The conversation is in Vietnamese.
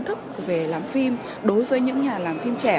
có những kiến thức về làm phim đối với những nhà làm phim trẻ